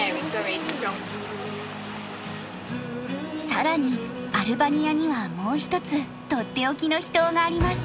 更にアルバニアにはもう一つとっておきの秘湯があります。